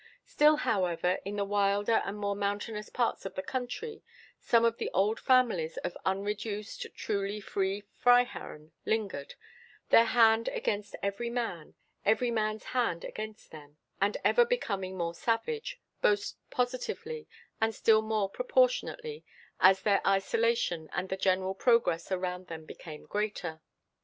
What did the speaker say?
Still, however, in the wilder and more mountainous parts of the country, some of the old families of unreduced, truly free Freiherren lingered, their hand against every man, every man's hand against them, and ever becoming more savage, both positively and still more proportionately, as their isolation and the general progress around them became greater.